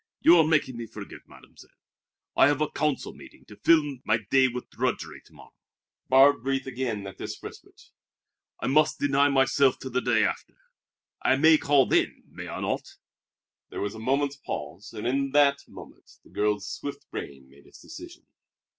"You are making me forget, Mademoiselle. I have a council meeting to fill my day with drudgery to morrow." (Barbe breathed again at this respite.) "I must deny myself till the day after. I may call then, may I not?" There was a moment's pause, and in that moment the girl's swift brain made its decision.